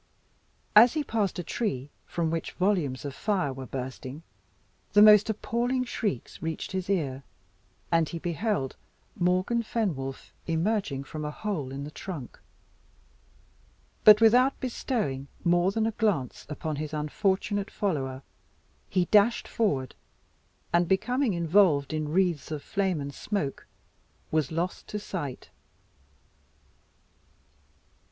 As he passed a tree, from which volumes of fire were bursting, the most appalling shrieks reached his ear, and he beheld Morgan Fenwolf emerging from a hole in the trunk. But without bestowing more than a glance upon his unfortunate follower, he dashed forward, and becoming involved in the wreaths of flame and smoke, was lost to sight.